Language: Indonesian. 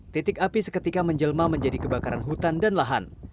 titik api seketika menjelma menjadi kebakaran hutan dan lahan